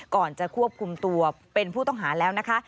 ก่อนจะควบคุมตัวเป็นผู้ต้องหาแล้วนะคะ